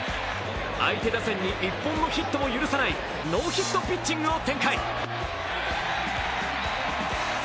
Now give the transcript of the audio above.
相手打線に１本のヒットも許さないノーヒットピッチングを展開。